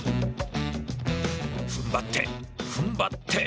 ふんばってふんばって。